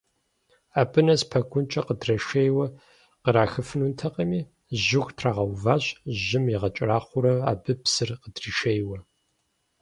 Абы нэс пэгункӏэ къыдрашейуэ кърахыфынутэкъыми, жьыху трагъэуващ, жьым игъэкӏэрахъуэрэ абы псыр къыдришейуэ.